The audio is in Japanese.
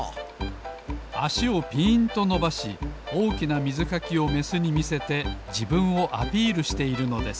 あしをぴーんとのばしおおきなみずかきをメスにみせてじぶんをアピールしているのです。